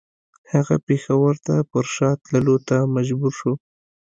هغه پېښور ته پر شا تللو ته مجبور شو.